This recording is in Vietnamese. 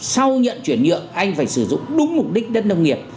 sau nhận chuyển nhượng anh phải sử dụng đúng mục đích đất nông nghiệp